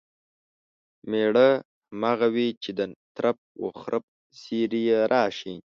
مېړه همغه وي چې د ترپ و خرپ زیري یې راشي.